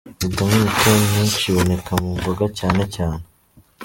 Vitamine K nyinshi iboneka mu mboga cyane cyane.